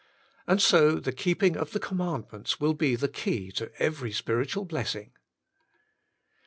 And so the keeping of the com mandments will be the key to every spiritual blessing.